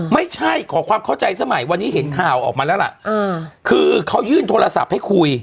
ไม่ใช่ขอความเข้าใจสมัยวันนี้เห็นข่าวออกมาแล้วล่ะคือเขายื่นโทรศัพท์ให้คุย